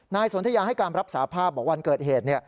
สนทยาให้การรับสาภาพบอกวันเกิดเหตุ